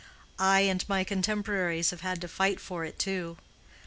I and my contemporaries have had to fight for it too.